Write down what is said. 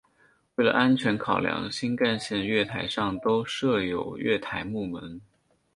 为了安全考量新干线月台上都设有月台幕门。